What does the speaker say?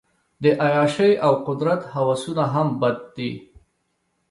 د عیاشۍ او قدرت هوسونه هم بد دي.